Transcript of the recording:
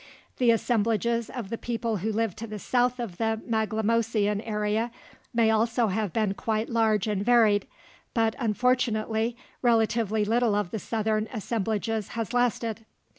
The assemblages of the people who lived to the south of the Maglemosian area may also have been quite large and varied; but, unfortunately, relatively little of the southern assemblages has lasted.